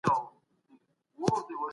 سيوري مي په ياد كـي نـــه دي